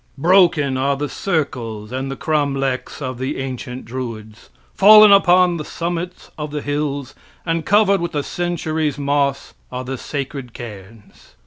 Broken are the circles and the cromlechs of the ancient Druids; fallen upon the summits of the hills, and covered with the centuries' moss are the sacred cairns.